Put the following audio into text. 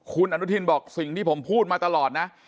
คุณอนุทินบอกสิ่งที่ผมพูดมาตลอดนะ